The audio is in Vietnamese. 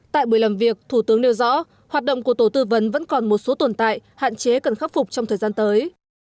tại buổi làm việc thủ tướng nêu rõ hoạt động của tổ tư vấn vẫn còn một số tồn tại hạn chế cần khắc phục trong thời gian tới